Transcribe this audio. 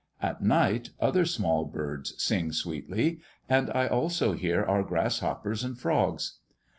At night, other small birds sing sweetly, and I also hear our grasshoppers and frogs.